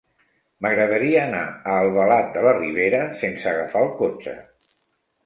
M'agradaria anar a Albalat de la Ribera sense agafar el cotxe.